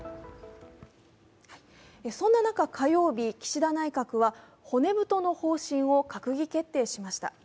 そんな中、火曜日、岸田内閣は骨太の方針を閣議決定しました。